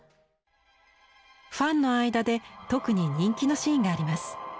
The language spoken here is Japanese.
ファンの間で特に人気のシーンがあります。